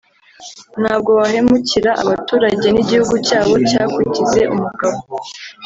ntabwo wahemukira abaturage n’igihugu cyabo cyakugize umugabo